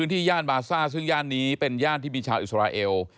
ย่านบาซ่าซึ่งย่านนี้เป็นย่านที่มีชาวอิสราเอล